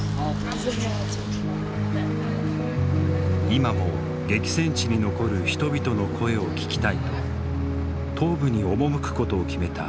今も激戦地に残る人々の声を聞きたいと東部に赴くことを決めたアナスタシヤ。